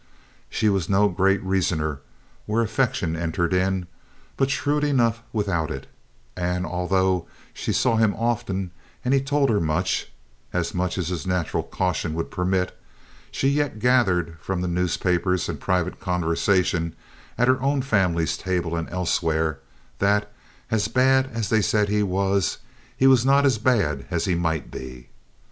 She was no great reasoner where affection entered in, but shrewd enough without it; and, although she saw him often and he told her much—as much as his natural caution would permit—she yet gathered from the newspapers and private conversation, at her own family's table and elsewhere, that, as bad as they said he was, he was not as bad as he might be.